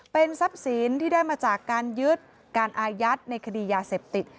เป็นทรัพย์สินที่ได้มาจากการยึดการอายัดในคดียาเสพติด